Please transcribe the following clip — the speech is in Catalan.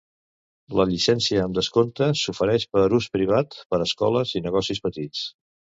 La llicència amb descompte s'ofereix per ús privat, per escoles i negocis petits.